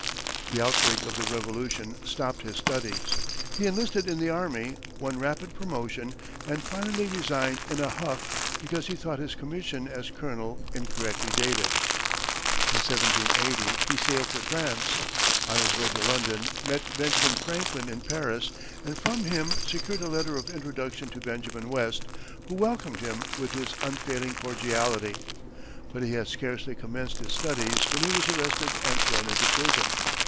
The outbreak of the Revolution stopped his studies; he enlisted in the army, won rapid promotion, and finally resigned in a huff because he thought his commission as colonel incorrectly dated. In 1780, he sailed for France, on his way to London, met Benjamin Franklin in Paris and from him secured a letter of introduction to Benjamin West, who welcomed him with his unfailing cordiality; but he had scarcely commenced his studies when he was arrested and thrown into prison.